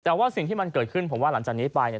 แต่ว่าสิ่งที่มันเกิดขึ้นผมว่าหลังจากนี้ไปเนี่ย